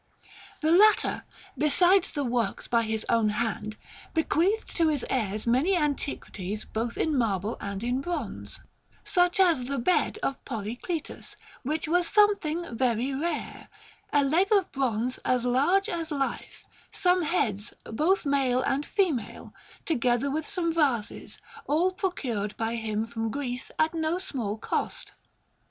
The latter, besides the works by his own hand, bequeathed to his heirs many antiquities both in marble and in bronze, such as the bed of Polycletus, which was something very rare; a leg of bronze as large as life; some heads, both male and female; together with some vases, all procured by him from Greece at no small cost.